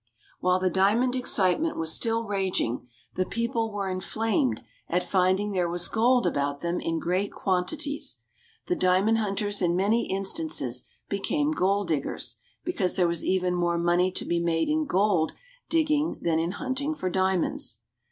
While the diamond excitement was still raging the people were inflamed at finding there was gold about them in great quantities. The diamond hunters in many instances became gold diggers, because there was even more money to be made in gold digging than in hunting for diamonds.